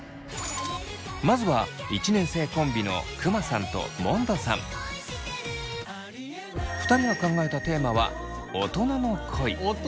まずは１年生コンビの２人が考えた大人の恋！